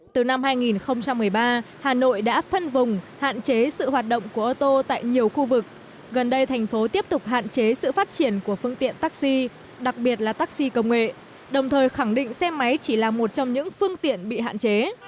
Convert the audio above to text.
từ năm hai nghìn một mươi ba hà nội đã phân vùng hạn chế sự hoạt động của ô tô tại nhiều khu vực gần đây thành phố tiếp tục hạn chế sự phát triển của phương tiện taxi đặc biệt là taxi công nghệ đồng thời khẳng định xe máy chỉ là một trong những phương tiện bị hạn chế